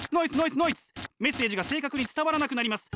メッセージが正確に伝わらなくなります。